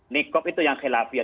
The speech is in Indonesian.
nikob itu yang khilafiyah